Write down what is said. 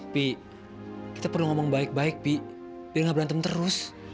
bi kita perlu ngomong baik baik pi biar gak berantem terus